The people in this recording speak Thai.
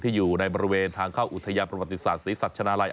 ที่อยู่ในบริเวณทางเข้าอุทยาประบัติศาสตร์ศิษฐรรณาลัย